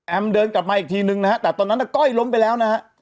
เดินกลับมาอีกทีนึงนะฮะแต่ตอนนั้นก้อยล้มไปแล้วนะฮะ